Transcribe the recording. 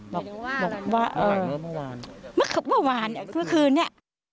บอกว่าเออเมื่อคืนเนี่ย